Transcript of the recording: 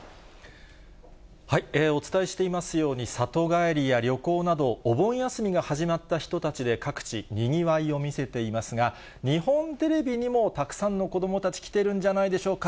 お伝えしていますように、里帰りや旅行など、お盆休みが始まった人たちで、各地、にぎわいを見せていますが、日本テレビにもたくさんの子どもたち、来てるんじゃないでしょうか。